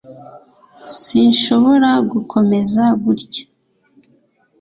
Sinshobora gukomeza gutya